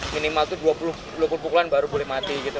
minimal itu dua puluh pukulan baru boleh mati gitu